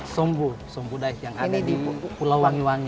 sombu dive yang ada di pulau wangi wangi